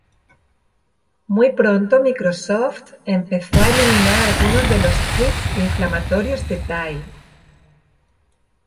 Muy pronto Microsoft empezó a eliminar algunos de los tweets inflamatorios de Tay.